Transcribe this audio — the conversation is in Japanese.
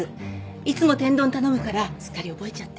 いつも天丼を頼むからすっかり覚えちゃって。